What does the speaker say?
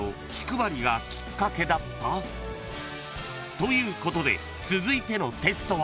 ［ということで続いてのテストは］